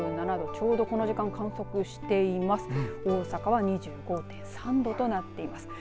ちょうどこの時間観測していますが大阪は２５．３度となっています。